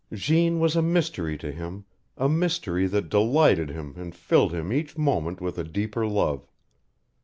Jeanne was a mystery to him, a mystery that delighted him and filled him each moment with a deeper love.